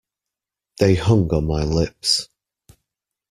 They hung on my lips.